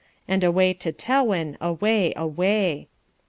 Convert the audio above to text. And away to Tewin, away, away!